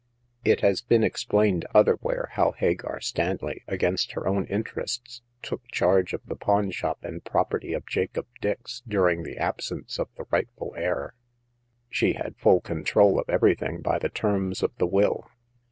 It has been explained otherwhere how Hagar Stanley, against her own interests, took charge of the pawn shop and property of Jacob Dix during the absence of the rightful heir. She had full control of everything by the terms of the will.